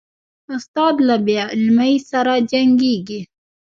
استاد له بې علمۍ سره جنګیږي.